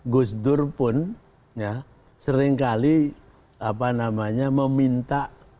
gus dur pun seringkali meminta